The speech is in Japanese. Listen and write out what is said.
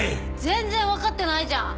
全然分かってないじゃん。